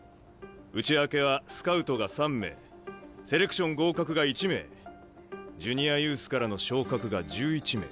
内訳はスカウトが３名セレクション合格が１名ジュニアユースからの昇格が１１名。